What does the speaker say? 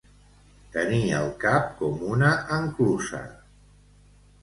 Tenir el cap com una enclusa.